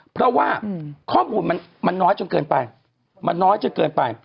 เพราะว่าข้อมูลมันน้อยจนเกินไป